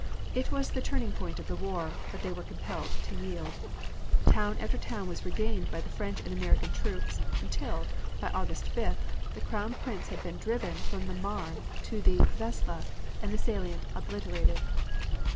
It was the turning point of the war, but they were compelled to yield. Town after town was regained by the French and American troops, until, by August 5th, the Crown Prince had been driven from the Marne to the Vesle, and the salient obliterated.